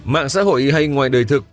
mạng xã hội hay ngoài đời thực